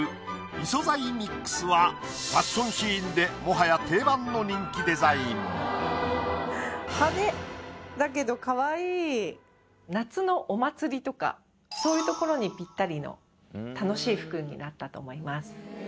異素材ミックスはファッションシーンでもはや定番の人気デザイン。とかそういうところにぴったりの楽しい服になったと思います。